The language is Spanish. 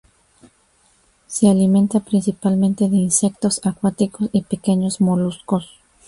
Se alimenta principalmente de insectos acuáticos y pequeños moluscos.